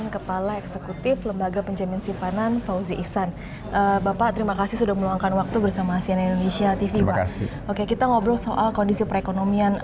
kepala eksekutif lembaga penjamin simpanan fauzi ihsan